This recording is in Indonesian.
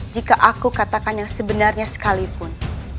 jika aku katakan yang sebenarnya sekalipun